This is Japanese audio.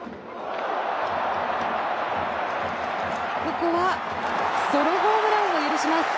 ここはソロホームランを許します。